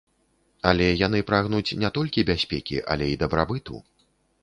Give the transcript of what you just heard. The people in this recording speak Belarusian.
Але яны прагнуць не толькі бяспекі, але і дабрабыту.